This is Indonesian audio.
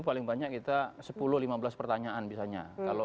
paling banyak kita sepuluh lima belas pertanyaan misalnya